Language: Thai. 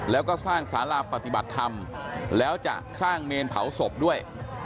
แล้วก็สร้างสาราปฏิบัติธรรมแล้วจะสร้างเมนเผาศพด้วย